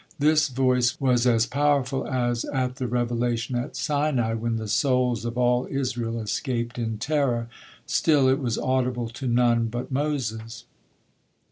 This voice was a powerful as at the revelation at Sinai when the souls of all Israel escaped in terror, still it was audible to none but Moses.